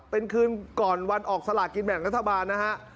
เป็นคืนก่อนวันออกสลากินแบ่งรัฐบาลนะฮะ